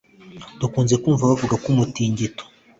Dukunze kumva bavuga ko umutingito